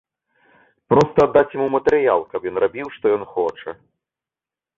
Проста аддаць яму матэрыял, каб ён рабіў, што ён хоча.